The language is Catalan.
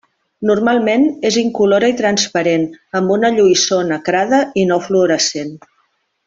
Normalment és incolora i transparent amb una lluïssor nacrada i no fluorescent.